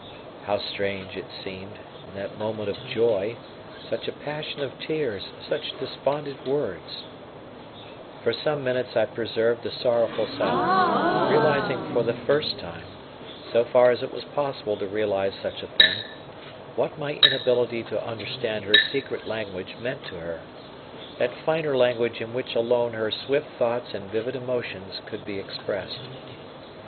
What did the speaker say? How strange it seemed, in that moment of joy, such a passion of tears, such despondent words! For some minutes I preserved a sorrowful silence, realizing for the first time, so far as it was possible to realize such a thing, what my inability to understand her secret language meant to her that finer language in which alone her swift thoughts and vivid emotions could be expressed.